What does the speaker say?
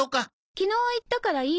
昨日行ったからいい。